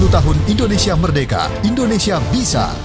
dua puluh tahun indonesia merdeka indonesia bisa